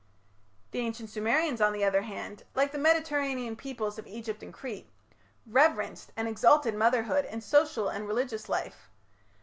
The Ancient Sumerians, on the other hand, like the Mediterranean peoples of Egypt and Crete, reverenced and exalted motherhood in social and religious life.